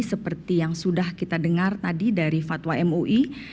seperti yang sudah kita dengar tadi dari fatwa mui